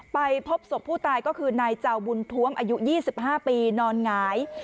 ไปพบศพผู้ตายก็คือนายเจ้าบุญท้วมอายุ๒๕ปีนอนหงาย